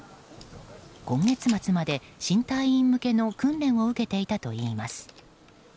今月末まで新隊員向けの訓練を受けていたといいます。